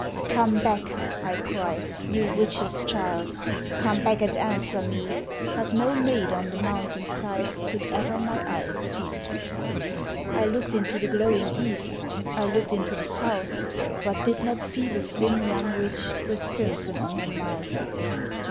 ' Come back,' I cried, ' you witch's child. Come back and answer me' ; But no maid on the mountain side Could ever my eyes see. THE WHITE WITCH 27 I looked into the glowing east, I looked into the south, But did not see the slim young witch, With crimson on her mouth.